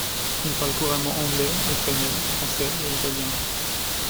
Il parle couramment anglais, espagnol, français et italien.